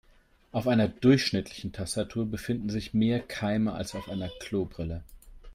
Auf einer durchschnittlichen Tastatur befinden sich mehr Keime als auf einer Klobrille.